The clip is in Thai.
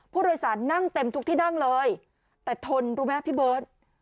ผู้โดยสารนั่งเต็มทุกที่นั่งเลยแต่ทนรู้ไหมพี่เบิร์ต